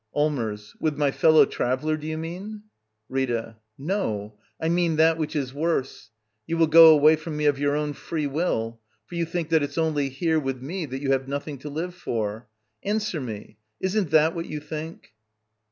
Allmers. With my fellow traveller, do you ^ tiiean? Rita. No. I mean that which is worse. You will go away from me of your own free will — for you think that it's only here, with me, that you have nothing to live for. Answer me! Isn't that what you think?